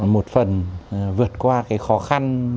một phần vượt qua cái khó khăn